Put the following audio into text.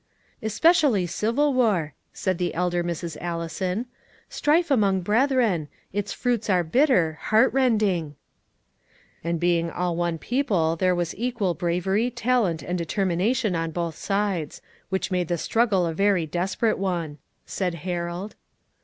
"Especially civil war," said the elder Mrs. Allison; "strife among brethren; its fruits are bitter, heart rending." "And being all one people there was equal bravery, talent, and determination on both sides; which made the struggle a very desperate one," said Harold.